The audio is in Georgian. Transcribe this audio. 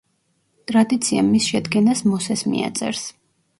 ტრადიცია მის შედგენას მოსეს მიაწერს.